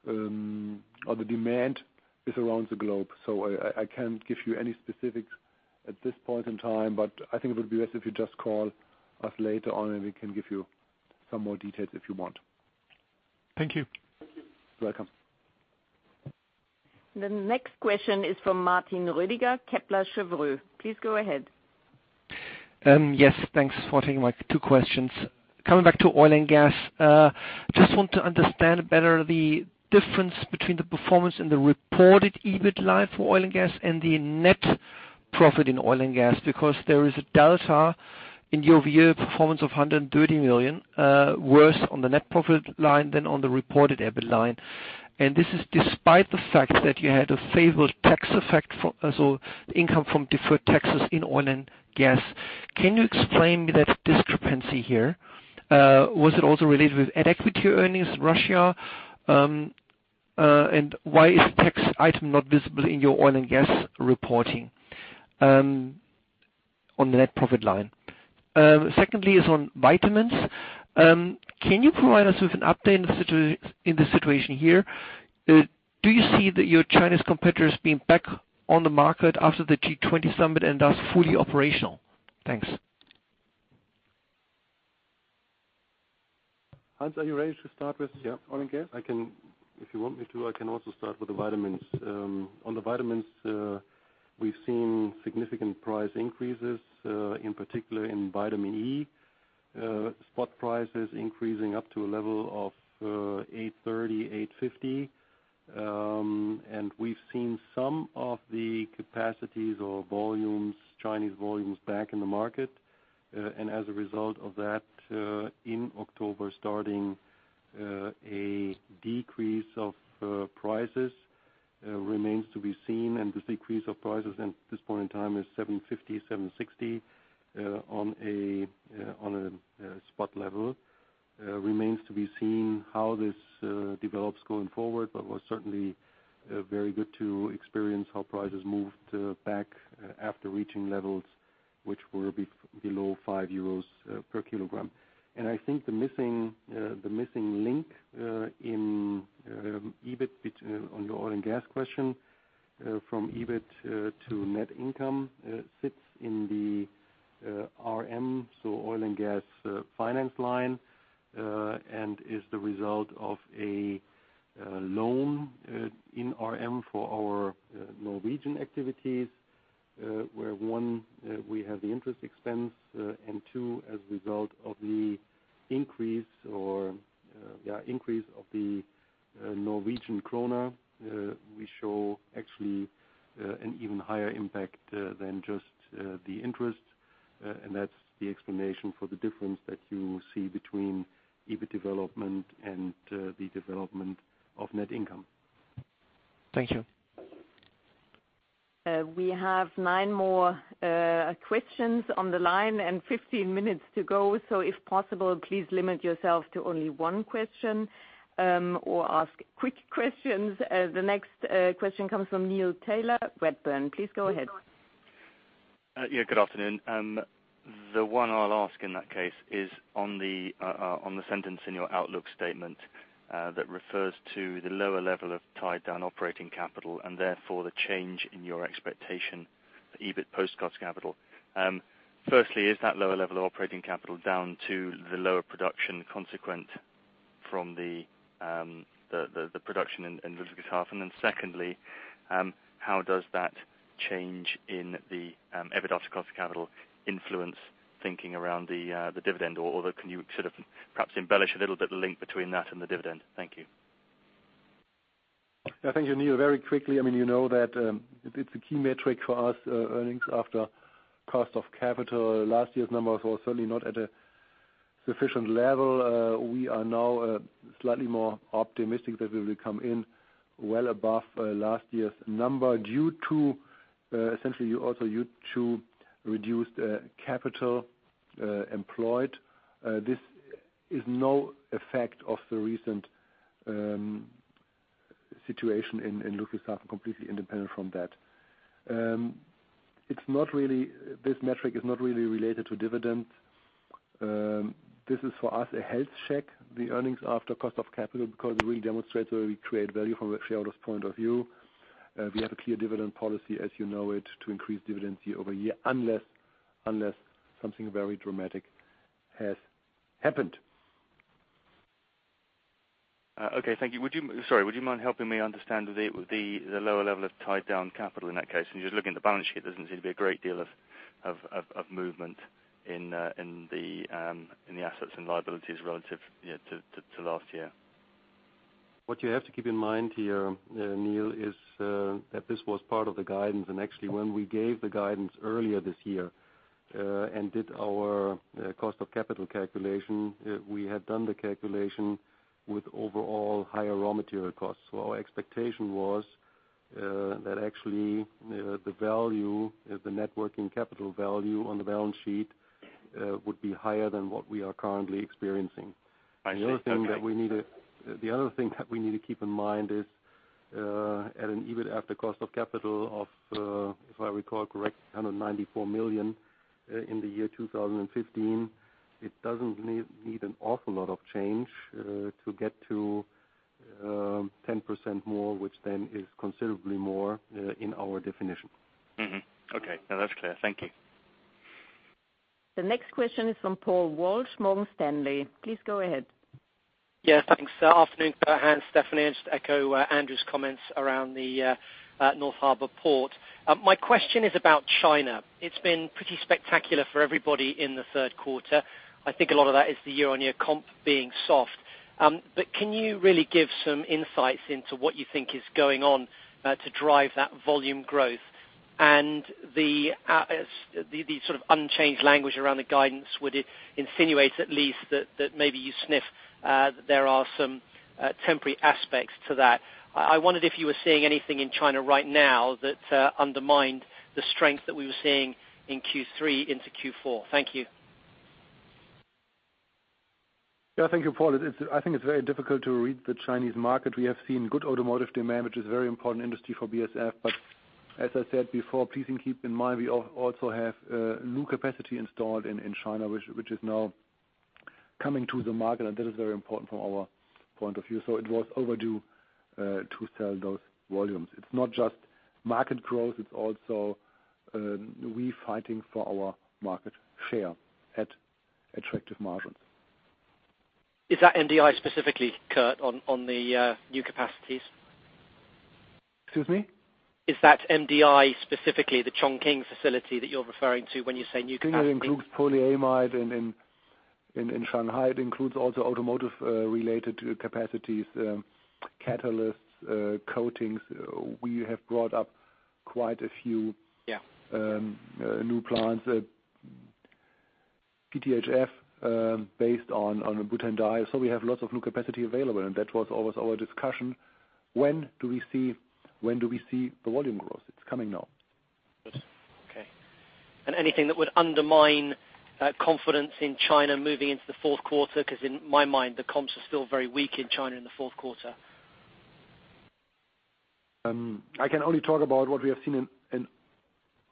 or the demand is around the globe, so I can't give you any specifics at this point in time. I think it would be best if you just call us later on, and we can give you some more details if you want. Thank you. You're welcome. The next question is from Martin Rödiger, Kepler Cheuvreux. Please go ahead. Yes, thanks for taking my two questions. Coming back to oil and gas, I just want to understand better the difference between the performance and the reported EBIT line for oil and gas and the net profit in oil and gas, because there is a delta in your year performance of 130 million, worse on the net profit line than on the reported EBIT line. This is despite the fact that you had a favorable tax effect for, so income from deferred taxes in oil and gas. Can you explain to me that discrepancy here? Was it also related with equity earnings Russia? And why is the tax item not visible in your oil and gas reporting, on the net profit line? Second, on vitamins. Can you provide us with an update in the situation here? Do you see that your Chinese competitors being back on the market after the G20 summit and thus fully operational? Thanks. Hans, are you ready to start? Yeah. Oil and gas? If you want me to, I can also start with the vitamins. On the vitamins, we've seen significant price increases, in particular in Vitamin E. Spot prices increasing up to a level of 8.30-8.50. We've seen some of the capacities or volumes, Chinese volumes back in the market, and as a result of that, in October starting a decrease of prices remains to be seen. This decrease of prices at this point in time is 7.50-7.60 on a spot level. Remains to be seen how this develops going forward. Was certainly very good to experience how prices moved back after reaching levels which were below 5 euros per kilogram. I think the missing link in EBIT, but on your oil and gas question, from EBIT to net income sits in the NOK, so oil and gas finance line, and is the result of a loan in NOK for our Norwegian activities. Where one, we have the interest expense, and two, as a result of the increase of the Norwegian krone, we show actually an even higher impact than just the interest. That's the explanation for the difference that you see between EBIT development and the development of net income. Thank you. We have nine more questions on the line and 15 minutes to go. If possible, please limit yourself to only one question, or ask quick questions. The next question comes from Neil Tyler, Redburn. Please go ahead. Good afternoon. The one I'll ask in that case is on the sentence in your outlook statement that refers to the lower level of tied down operating capital and therefore the change in your expectation, the EBIT post cost capital. Firstly, is that lower level of operating capital down to the lower production consequent from the explosion in Ludwigshafen? Secondly, how does that change in the EBITDA cost of capital influence thinking around the dividend or can you sort of perhaps embellish a little bit the link between that and the dividend? Thank you. Yeah. Thank you, Neil. Very quickly, I mean, you know that it's a key metric for us, earnings after cost of capital. Last year's numbers were certainly not at a sufficient level. We are now slightly more optimistic that we will come in well above last year's number due to essentially also due to reduced capital employed. This is no effect of the recent situation in Ludwigshafen, completely independent from that. This metric is not really related to dividend. This is for us a health check, the earnings after cost of capital, because it really demonstrates where we create value from a shareholder's point of view. We have a clear dividend policy as you know it, to increase dividend year over year unless something very dramatic has happened. Okay. Thank you. Would you mind helping me understand the lower level of tied down capital in that case? When you just look in the balance sheet, there doesn't seem to be a great deal of movement in the assets and liabilities relative, you know, to last year. What you have to keep in mind here, Neil, is that this was part of the guidance. Actually, when we gave the guidance earlier this year, and did our cost of capital calculation, we had done the calculation with overall higher raw material costs. Our expectation was that actually the value, the net working capital value on the balance sheet, would be higher than what we are currently experiencing. I see. Okay. The other thing that we need to keep in mind is at an EBIT after cost of capital of, if I recall correctly, 194 million in the year 2015, it doesn't need an awful lot of change to get to 10% more, which then is considerably more in our definition. Okay. No, that's clear. Thank you. The next question is from Paul Walsh, Morgan Stanley. Please go ahead. Yes, thanks. Afternoon, Bert and Stefanie. I just echo Andrew's comments around the North Harbor port. My question is about China. It's been pretty spectacular for everybody in the Q3. I think a lot of that is the year-on-year comp being soft. But can you really give some insights into what you think is going on to drive that volume growth? And the sort of unchanged language around the guidance, would it insinuate at least that maybe you sniff that there are some temporary aspects to that? I wondered if you were seeing anything in China right now that undermined the strength that we were seeing in Q3 into Q4. Thank you. Yeah. Thank you, Paul. I think it's very difficult to read the Chinese market. We have seen good automotive demand, which is a very important industry for BASF. As I said before, please keep in mind we also have new capacity installed in China, which is now coming to the market, and that is very important from our point of view. It was overdue to sell those volumes. It's not just market growth, it's also we fighting for our market share at attractive margins. Is that MDI specifically, Kurt, on the new capacities? Excuse me? Is that MDI, specifically the Chongqing facility that you're referring to when you say new capacity? Chongqing includes polyamide in Shanghai. It includes also automotive related to capacities, catalysts, coatings. We have brought up quite a few- Yeah new plants, PTHF, based on butanediol. We have lots of new capacity available, and that was always our discussion. When do we see the volume growth? It's coming now. Okay. Anything that would undermine confidence in China moving into the Q4? 'Cause in my mind, the comps are still very weak in China in the Q4. I can only talk about what we have seen in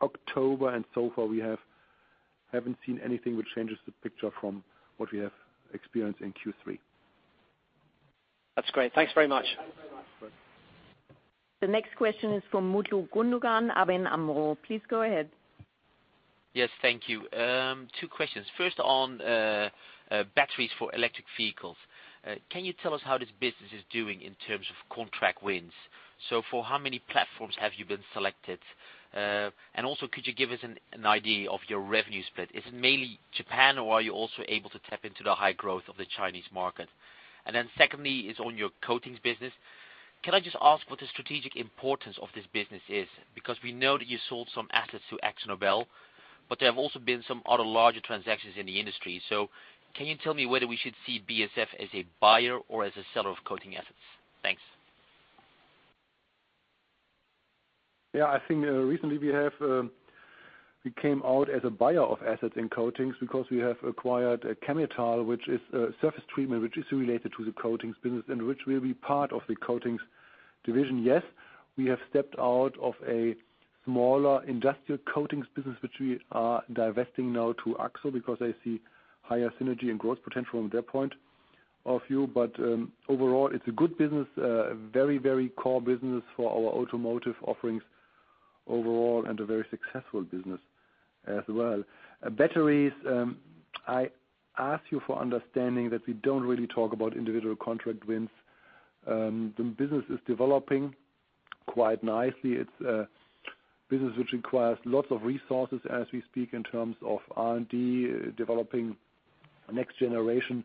October, and so far we haven't seen anything which changes the picture from what we have experienced in Q3. That's great. Thanks very much. No problem. The next question is from Mutlu Gündoğan, ABN AMRO. Please go ahead. Yes. Thank you. Two questions. First on batteries for electric vehicles. Can you tell us how this business is doing in terms of contract wins? So for how many platforms have you been selected? And also could you give us an idea of your revenue split? Is it mainly Japan, or are you also able to tap into the high growth of the Chinese market? And then secondly is on your coatings business. Can I just ask what the strategic importance of this business is? Because we know that you sold some assets to AkzoNobel, but there have also been some other larger transactions in the industry. So can you tell me whether we should see BASF as a buyer or as a seller of coating assets? Thanks. Yeah. I think recently we have we came out as a buyer of assets in coatings because we have acquired Chemetall, which is a surface treatment which is related to the coatings business and which will be part of the Coatings Division, yes. We have stepped out of a smaller industrial coatings business, which we are divesting now to AkzoNobel because they see higher synergy and growth potential from their point of view. Overall, it's a good business, very core business for our automotive offerings overall and a very successful business as well. Batteries, I ask you for understanding that we don't really talk about individual contract wins. The business is developing quite nicely. It's a business which requires lots of resources as we speak in terms of R&D, developing next generation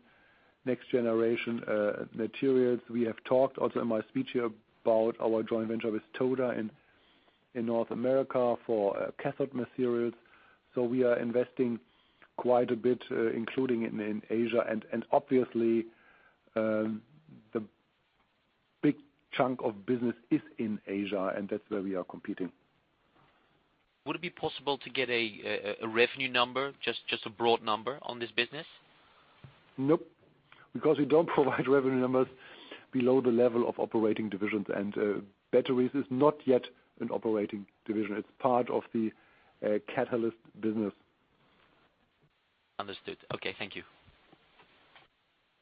materials. We have talked also in my speech about our joint venture with Toda in North America for cathode materials. We are investing quite a bit, including in Asia. Obviously, the big chunk of business is in Asia, and that's where we are competing. Would it be possible to get a revenue number, just a broad number on this business? Nope, because we don't provide revenue numbers below the level of operating divisions. Batteries is not yet an operating division. It's part of the Catalysts business. Understood. Okay, thank you.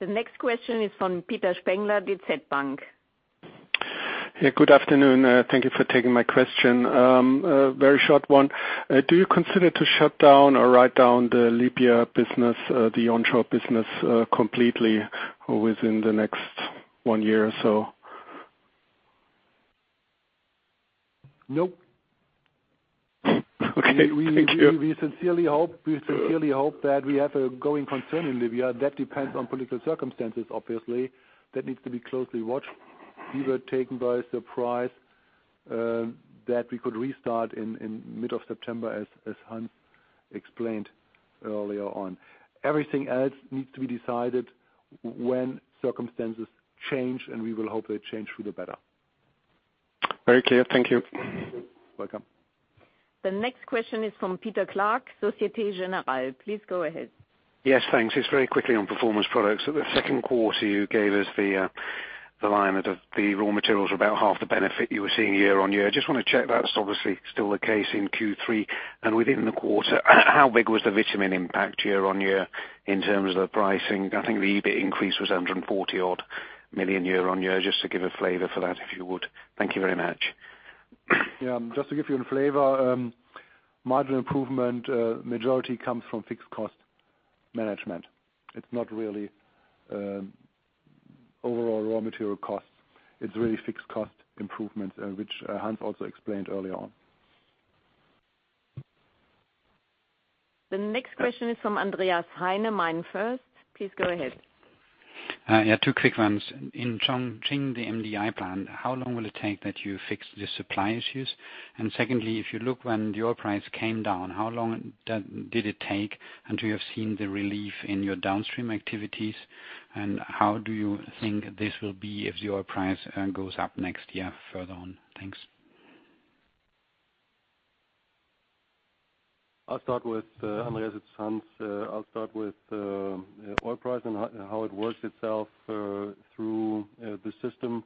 The next question is from Peter Spengler, DZ Bank. Yeah, good afternoon. Thank you for taking my question. A very short one. Do you consider to shut down or write down the Libya business, the onshore business, completely within the next one year or so? Nope. Okay. Thank you. We sincerely hope that we have a going concern in Libya. That depends on political circumstances, obviously. That needs to be closely watched. We were taken by surprise that we could restart in mid-September, as Hans explained earlier on. Everything else needs to be decided when circumstances change, and we will hope they change for the better. Very clear. Thank you. Welcome. The next question is from Peter Clark, Société Générale. Please go ahead. Yes, thanks. It's very quickly on Performance Products. At the second quarter, you gave us the line that the raw materials were about half the benefit you were seeing year-on-year. I just want to check, that's obviously still the case in Q3. Within the quarter, how big was the vitamin impact year-on-year in terms of the pricing? I think the EBIT increase was 140-odd million year-on-year, just to give a flavor for that, if you would. Thank you very much. Yeah. Just to give you a flavor, margin improvement majority comes from fixed cost management. It's not really overall raw material costs. It's really fixed cost improvements, which Hans also explained earlier on. The next question is from Andreas Heine, MainFirst. Please go ahead. Yeah, two quick ones. In Chongqing, the MDI plant, how long will it take that you fix the supply issues? And secondly, if you look when the oil price came down, how long did it take until you have seen the relief in your downstream activities? And how do you think this will be if the oil price goes up next year further on? Thanks. I'll start with Andreas, it's Hans. I'll start with oil price and how it works itself through the system.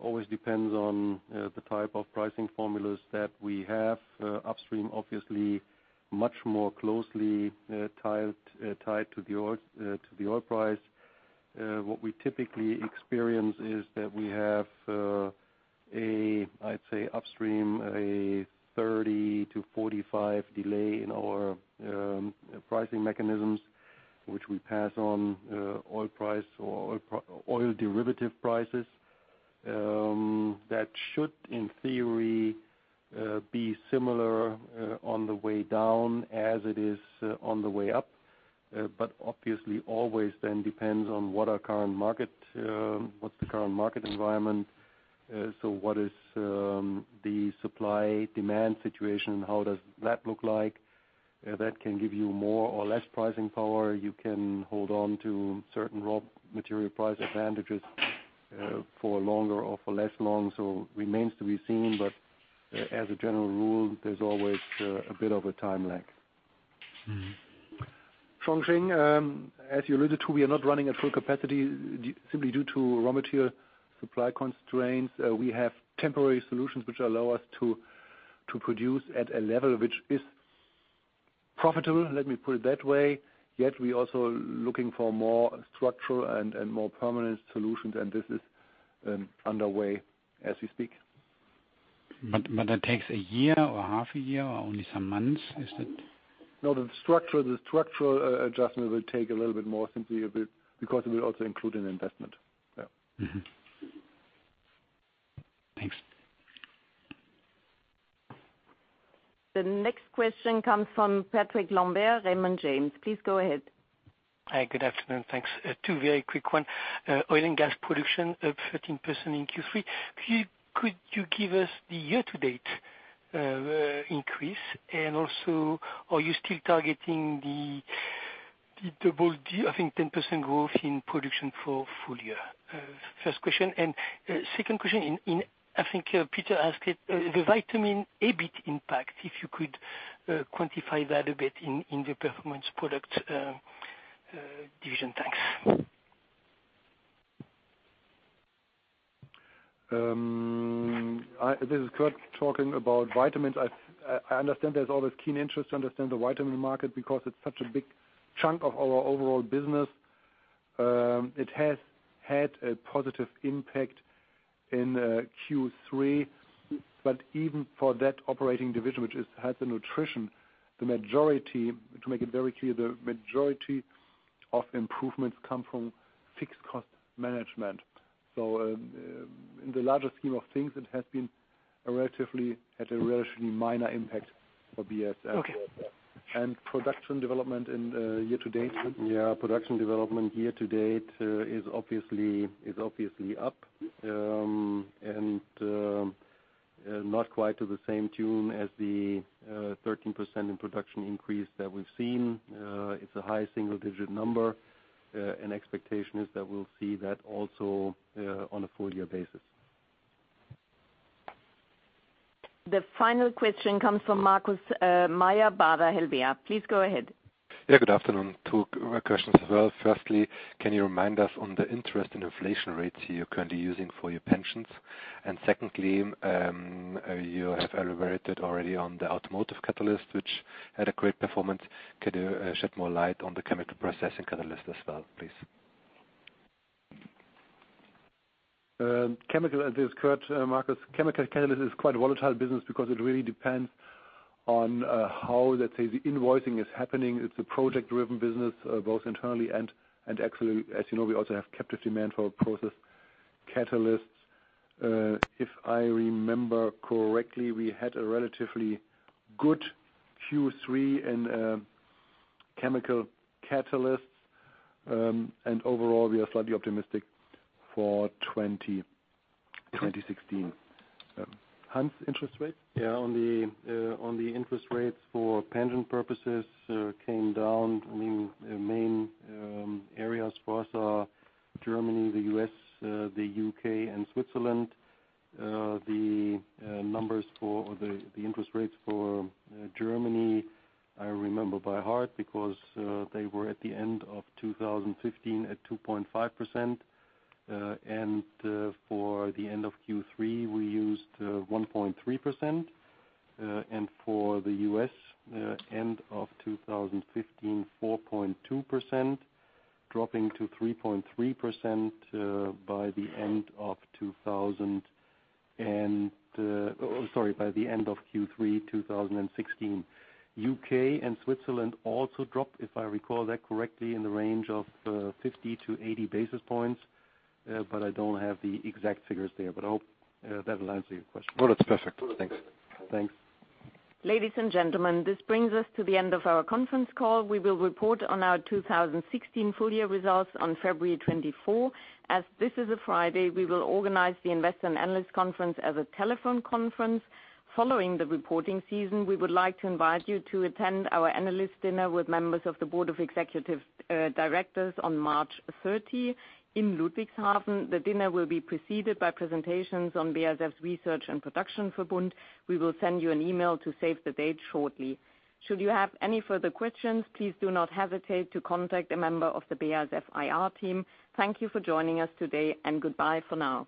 Always depends on the type of pricing formulas that we have. Upstream, obviously much more closely tied to the oil price. What we typically experience is that we have a 30-45 delay in our pricing mechanisms, which we pass on oil price or oil derivative prices. That should in theory be similar on the way down as it is on the way up, but obviously always then depends on what's the current market environment. So what is the supply-demand situation? How does that look like? That can give you more or less pricing power. You can hold on to certain raw material price advantages, for longer or for less long. Remains to be seen, but as a general rule, there's always a bit of a time lag. Mm-hmm. Chongqing, as you alluded to, we are not running at full capacity simply due to raw material supply constraints. We have temporary solutions which allow us to produce at a level which is profitable, let me put it that way. Yet we also looking for more structural and more permanent solutions, and this is underway as we speak. That takes a year or half a year or only some months. Is that? No, the structural adjustment will take a little bit more simply a bit because it will also include an investment. Yeah. Mm-hmm. Thanks. The next question comes from Patrick Lambert, Raymond James. Please go ahead. Hi. Good afternoon. Thanks. Two very quick ones. Oil and gas production up 13% in Q3. Could you give us the year-to-date increase? And also, are you still targeting the 10% growth in production for full year? First question. Second question, I think Peter asked it, the vitamin EBIT impact, if you could quantify that a bit in the Performance Products. This is Kurt talking about vitamins. I understand there's always keen interest to understand the vitamin market because it's such a big chunk of our overall business. It has had a positive impact in Q3, but even for that operating division, which has the nutrition, the majority, to make it very clear, the majority of improvements come from fixed cost management. In the larger scheme of things, it has had a relatively minor impact for BASF. Okay. Production development in year to date. Yeah, production development year to date is obviously up and not quite to the same tune as the 13% in production increase that we've seen. It's a high single digit number. Expectation is that we'll see that also on a full year basis. The final question comes from Markus Mayer, Baader Helvea. Please go ahead. Yeah, good afternoon. Two questions as well. Firstly, can you remind us on the interest and inflation rates you're currently using for your pensions? Secondly, you have elaborated already on the automotive catalyst, which had a great performance. Could you shed more light on the chemical processing catalyst as well, please? This is Kurt, Markus. Chemical catalyst is quite a volatile business because it really depends on how, let's say, the invoicing is happening. It's a project-driven business, both internally and actually, as you know, we also have captive demand for process catalysts. If I remember correctly, we had a relatively good Q3 in chemical catalysts. Overall, we are slightly optimistic for 2016. Hans, interest rates? Yeah, on the interest rates for pension purposes, they came down. I mean, main areas for us are Germany, the U.S., the U.K., and Switzerland. The numbers for the interest rates for Germany, I remember by heart because they were at the end of 2015 at 2.5%. For the end of Q3, we used 1.3%. For the U.S., end of 2015, 4.2%, dropping to 3.3% by the end of Q3 2016. U.K. and Switzerland also dropped, if I recall that correctly, in the range of 50 to 80 basis points. I don't have the exact figures there, but I hope that answers your question. Oh, that's perfect. Thanks. Thanks. Ladies and gentlemen, this brings us to the end of our conference call. We will report on our 2016 full year results on February 24. As this is a Friday, we will organize the Investor and Analyst Conference as a telephone conference. Following the reporting season, we would like to invite you to attend our analyst dinner with members of the Board of Executive Directors on March 30 in Ludwigshafen. The dinner will be preceded by presentations on BASF Research and Production for Verbund. We will send you an email to save the date shortly. Should you have any further questions, please do not hesitate to contact a member of the BASF IR team. Thank you for joining us today, and goodbye for now.